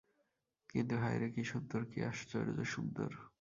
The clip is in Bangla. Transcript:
কিন্তু হায় রে, কী সুন্দর, কী আশ্চর্য সুন্দর!